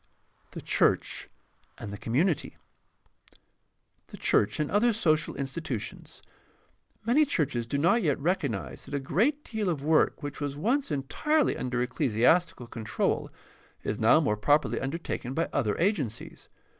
7. THE CHURCH AND THE COMMUNITY The church and other social institutions. — Many churches do not yet recognize that a great deal of work which was once entirely under ecclesiastical control is now more properly undertaken by other agencies.